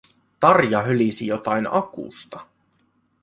Tarja hölisi jotain akusta.